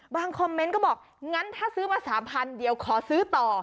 คอมเมนต์ก็บอกงั้นถ้าซื้อมา๓๐๐เดี๋ยวขอซื้อต่อ